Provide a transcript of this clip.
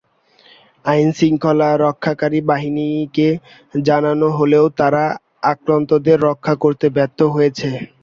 আইনশৃঙ্খলা রক্ষাকারী বাহিনীকে জানানো হলেও তারা আক্রান্তদের রক্ষা করতে ব্যর্থ হয়েছে।